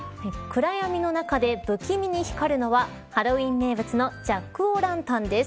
暗闇の中で不気味に光るのはハロウィーン名物のジャック・オー・ランタンです。